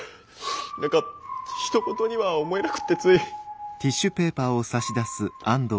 何かひと事には思えなくてつい。